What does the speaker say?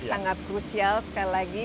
sangat krusial sekali lagi